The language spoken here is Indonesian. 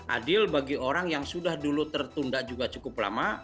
adil bagi orang yang sudah dulu tertunda juga cukup lama